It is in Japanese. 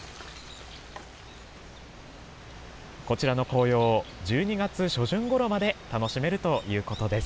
こちらの紅葉、１２月初旬ごろまで楽しめるということです。